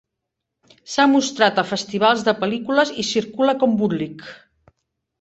S'ha mostrat a festivals de pel·lícules i circula com bootleg.